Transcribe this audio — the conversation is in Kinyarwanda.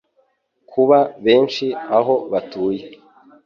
kuba benshi aho batuye